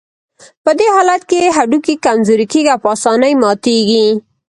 په دې حالت کې هډوکي کمزوري کېږي او په آسانۍ ماتېږي.